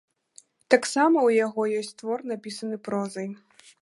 Таксама ў яго ёсць твор напісана прозай.